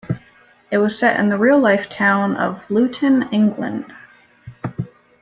It was set in the real-life town of Luton, England.